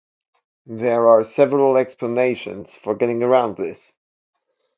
There are several explanations for getting around this.